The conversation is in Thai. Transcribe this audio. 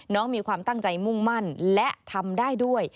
มีความตั้งใจมุ่งมั่นและทำได้ด้วย